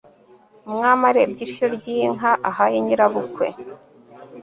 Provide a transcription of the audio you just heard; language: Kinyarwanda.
umwami arebye ishyo ry'inka, ahaye nyirabukwe